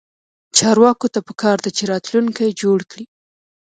چارواکو ته پکار ده چې، راتلونکی جوړ کړي